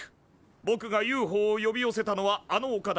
ぼくがＵＦＯを呼び寄せたのはあのおかだ。